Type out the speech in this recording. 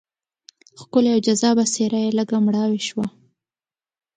ښکلې او جذابه څېره یې لږه مړاوې شوه.